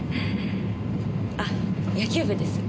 あっ野球部です。